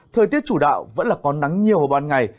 thời tiết chủ đạo vẫn là có nắng nhiều vào ban ngày